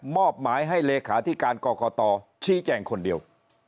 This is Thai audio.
อบหมายให้เลขาธิการกรกตชี้แจงคนเดียว